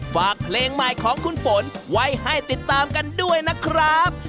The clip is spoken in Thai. ฝากเพลงใหม่ของคุณฝนไว้ให้ติดตามกันด้วยนะครับ